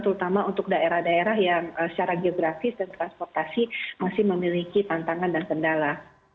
terutama untuk daerah daerah yang secara geografis dan transportasi masih memiliki tantangan dan kendala